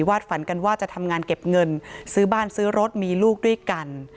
ฝันกันว่าจะทำงานเก็บเงินซื้อบ้านซื้อรถมีลูกด้วยกัน